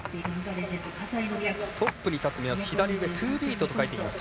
トップに立つ目安、左上「トゥービート」と書いています。